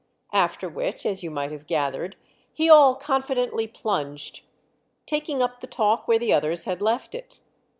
After which, as you might have gathered, he all confidently plunged, taking up the talk where the others had left it.